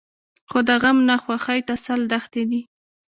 خو د غم نه خوښۍ ته سل دښتې دي.